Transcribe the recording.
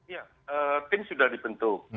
ya tim sudah dibentuk